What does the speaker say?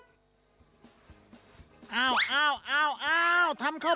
สวัสดีครับ